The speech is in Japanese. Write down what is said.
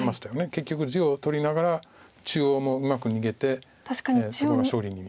結局地を取りながら中央もうまく逃げてそこが勝利に。